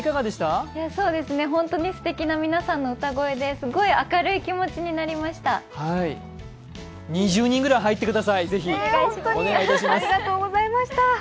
本当にすてきな皆さんの歌声ですごい明るい気持ちになりました。